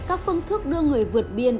các phương thức đưa người vượt biên